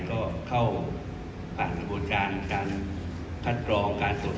ก็เข้าผ่านกระบวนการการคัดกรองการตรวจ